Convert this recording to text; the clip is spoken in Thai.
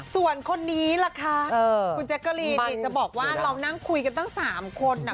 ส่วนคนนี้ล่ะคะคุณแจ๊กกะรีนจะบอกว่าเรานั่งคุยกันตั้ง๓คน